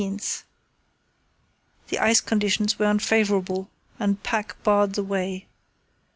The ice conditions were unfavourable and pack barred the way.